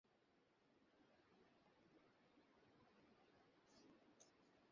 বাঁশিতে রাগ পূরবী কল্যাণী বাজিয়ে শোনাচ্ছেন গ্র্যামিতে মনোনয়ন পাওয়া বাঁশিশিল্পী শশাঙ্ক সুব্রামানিয়াম।